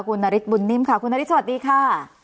กลุ่มนริตบุหรนิ่มค่ะกลุ่มนริตสวัสดีค่ะ